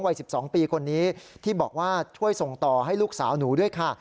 วัย๑๒ปีคนนี้ที่บอกว่าช่วยส่งต่อให้ลูกสาวหนูด้วยค่ะ